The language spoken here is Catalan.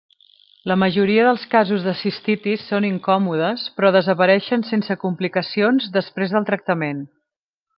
La majoria dels casos de cistitis són incòmodes però desapareixen sense complicacions després del tractament.